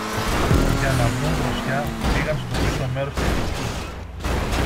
Για να βρουν δροσιά, πήγαν στο πίσω μέρος του σπιτιού